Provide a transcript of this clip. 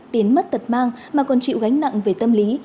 tiền mất tật mang mà còn chịu gánh nặng về tâm lý